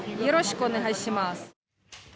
よろしくお願いします。